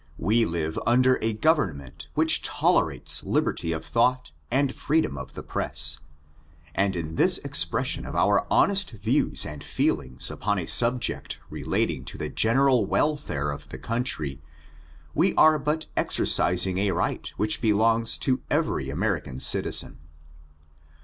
We live under a Government which tolerates liberty of thought and freedom of the press, and in this expression of our honest views and feelings upon a subject relating to the geueral welfare of the country, we are but exercising a light which belongs to every American citizen.